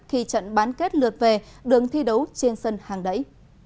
khi trận bán kết lượt về đường thi đấu trên sân hàng đẩy